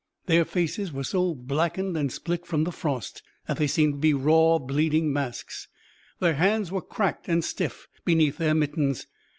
Their faces were so blackened and split from the frost they seemed to be raw bleeding masks, their hands were cracked and stiff beneath their mittens.